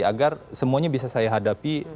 agar semuanya bisa saya hadapi